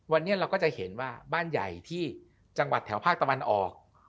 วันนี้เราก็จะเห็นว่าบ้านใหญ่ที่จังหวัดแถวภาคตะวันออก